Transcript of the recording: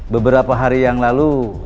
beberapa hari yang lalu